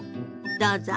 どうぞ。